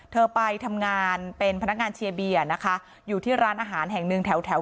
เธอไปทำงานเป็นพนักงานเชียร์เบียร์นะคะอยู่ที่ร้านอาหารแห่งหนึ่งแถวแถว